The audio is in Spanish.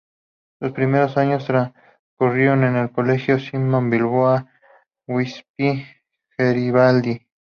Sus primeros años transcurrieron en el colegio Simón Bolívar y Giuseppe Garibaldi.